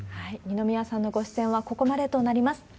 二宮さんのご出演はここまでとなります。